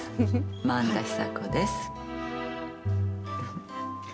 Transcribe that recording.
萬田久子です。